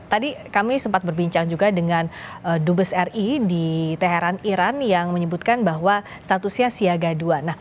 tadi kami sempat berbincang juga dengan dubes ri di teheran iran yang menyebutkan bahwa statusnya siaga dua